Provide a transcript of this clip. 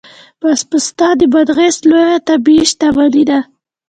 پسته د بادغیس لویه طبیعي شتمني ده